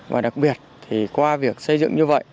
và đặc biệt thì qua việc xây dựng như vậy